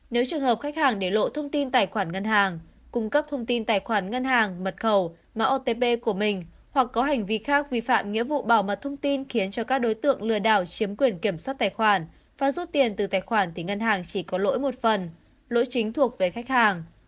nếu trường hợp khách hàng để lộ thông tin tài khoản ngân hàng cung cấp thông tin tài khoản ngân hàng mật khẩu mạng otp của mình hoặc có hành vi khác vi phạm nghĩa vụ bảo mật thông tin khiến cho các đối tượng lừa đảo chiếm quyền kiểm soát tài khoản và rút tiền từ tài khoản thì ngân hàng chỉ có lỗi một phần lỗi chính thuộc về khách hàng